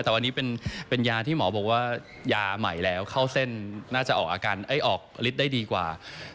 แต่วันนี้เป็นยาที่หมอบอกว่ายาไหมล่ะข้าวเส้นน่าจะออกอักษรนั้นได้ดีกว่า